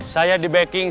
saya di backing